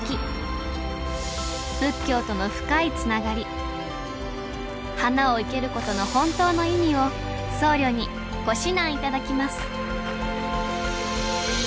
仏教との深いつながり花を生けることの本当の意味を僧侶にご指南頂きます